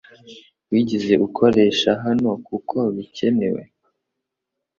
Wigeze ukoresha hano kuko bikenewe